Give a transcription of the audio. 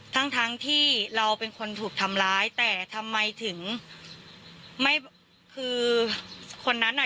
ทั้งทั้งที่เราเป็นคนถูกทำร้ายแต่ทำไมถึงไม่คือคนนั้นอ่ะ